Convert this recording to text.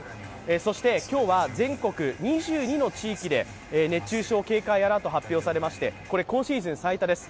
そして、今日は全国２２の地域で熱中症警戒アラート発表されまして今シーズン最多です。